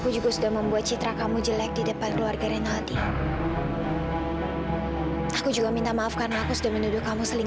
jadi aku sekali lagi minta maaf sama kamu